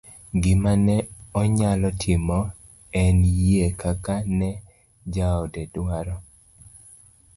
gima ne onyalo timo en yie kaka ne jaode dwaro